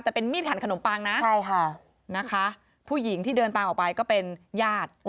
แต่เป็นมีดหันขนมปังนะใช่ค่ะนะคะผู้หญิงที่เดินตามออกไปก็เป็นญาติ